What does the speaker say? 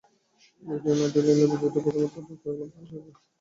Lady মেডেলিনের ব্যাধিটা প্রথমে তাঁর ডাক্তারের মাথা গুলিয়ে দিয়েছিল।